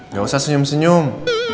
nggak usah senyum senyum